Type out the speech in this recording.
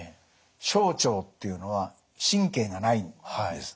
小腸っていうのは神経がないんです。